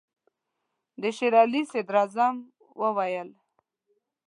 د شېر علي صدراعظم وویل.